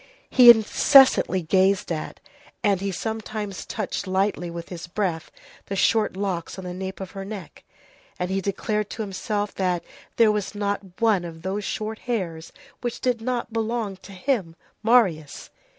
He incessantly gazed at, and he sometimes touched lightly with his breath, the short locks on the nape of her neck, and he declared to himself that there was not one of those short hairs which did not belong to him, Marius.